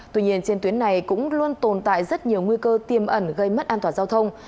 tuy nhiên trên tuyến này cũng luôn tồn tại rất nhiều nguy cơ tiềm ẩn gây mất an toàn giao thông